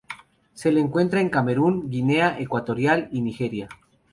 Se le encuentra en Camerún, Guinea Ecuatorial y Nigeria.